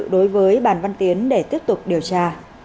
đối với bàn văn tiến để tiếp tục điều tra